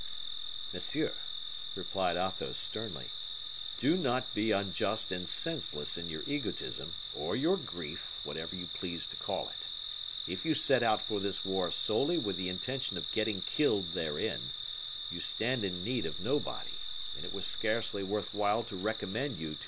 "Monsieur," replied Athos, sternly, "do not be unjust and senseless in your egotism, or your grief, whichever you please to call it. If you set out for this war solely with the intention of getting killed therein, you stand in need of nobody, and it was scarcely worth while to recommend you to M.